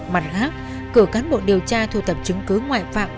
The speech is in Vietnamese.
mặt khác cửa cán bộ điều tra thu tập chứng cứ ngoại phạm